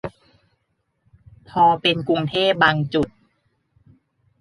พอเป็นกรุงเทพบางจุด